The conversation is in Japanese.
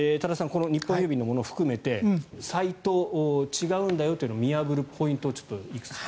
この日本郵便のものも含めてサイト、違うんだよというのを見破るポイントをいくつか。